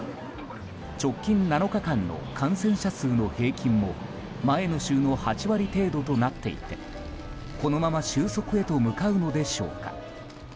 直近７日間の感染者数の平均も前の週の８割程度となっていてこのまま収束へと向かうのでしょうか。